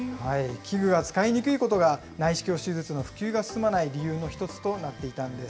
器具が使いにくいことが、内視鏡手術の普及が進まない理由の一つとなっていたんです。